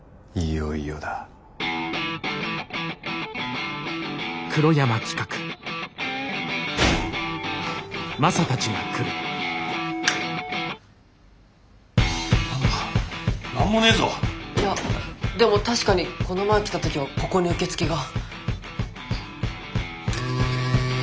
いやでも確かにこの前来た時はここに受付が。